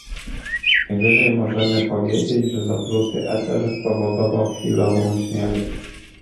"Najwyżej możemy powiedzieć, że zatruty eter spowodował chwilową śmierć."